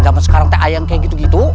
zaman sekarang ada ayam seperti itu